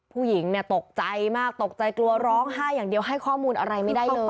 ผู้หญิงเนี่ยตกใจมากตกใจกลัวร้องไห้อย่างเดียวให้ข้อมูลอะไรไม่ได้เลย